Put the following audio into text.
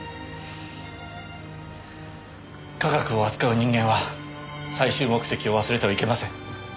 科学を扱う人間は最終目的を忘れてはいけません。